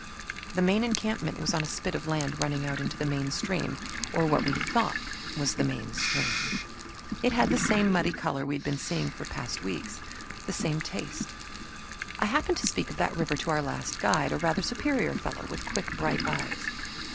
The main encampment was on a spit of land running out into the main stream, or what we thought was the main stream. It had the same muddy color we had been seeing for weeks past, the same taste. I happened to speak of that river to our last guide, a rather superior fellow with quick, bright eyes.